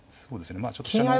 まあちょっと飛車の。